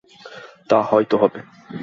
তা হয় তো হবে।